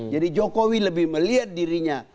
jadi jokowi lebih melihat dirinya